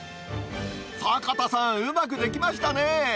坂田さん、うまくできましたね。